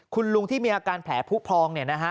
คุณลุงที่มีอาการแผลผู้พองเนี่ยนะฮะ